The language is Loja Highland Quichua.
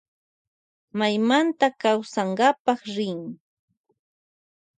Maymanta rin kausankapa.